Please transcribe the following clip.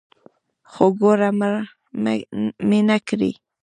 خو ګوره مړ مې نکړې.